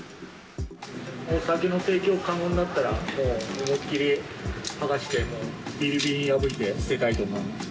お酒の提供可能になったら、思いっ切り剥がして、びりびりに破いて捨てたいと思います。